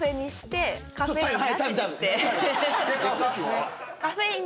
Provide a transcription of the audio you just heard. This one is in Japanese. あっカフェイン。